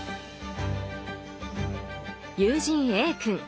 友人Ａ君。